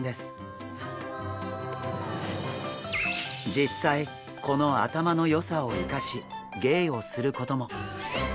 実際この頭の良さを生かし芸をすることも！